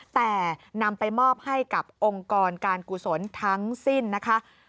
แต่นำไปมอบให้กับองค์กรการกุศลทั้งสิ้นนะคะ